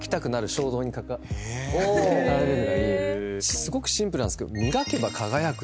すごくシンプルなんですけど。